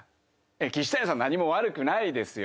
岸谷さん何も悪くないですよ。